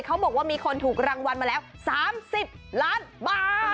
เขาบอกว่ามีคนถูกรางวัลมาแล้ว๓๐ล้านบาท